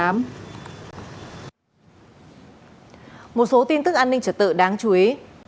một số tin tức an ninh trật tự đáng chú ý